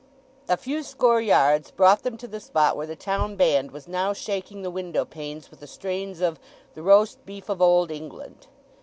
V. A few score yards brought them to the spot where the town band was now shaking the window panes with the strains of "The Roast Beef of Old England."